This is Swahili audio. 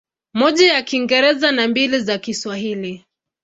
Moja ya Kiingereza na mbili za Kiswahili.